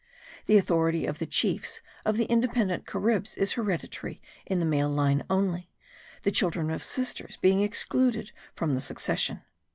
The authority of the chiefs of the independent Caribs is hereditary in the male line only, the children of sisters being excluded from the succession.